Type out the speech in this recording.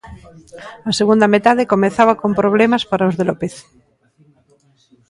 A segunda metade comezaba con problemas para os de López.